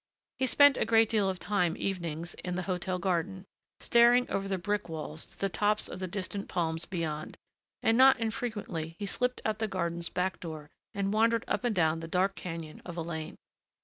He spent a great deal of time evenings in the hotel garden, staring over the brick walls to the tops of distant palms beyond, and not infrequently he slipped out the garden's back door and wandered up and down the dark canyon of a lane.